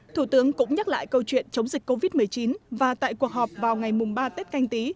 thủ tướng cũng nhắc lại câu chuyện chống dịch covid một mươi chín và tại cuộc họp vào ngày ba tết canh tí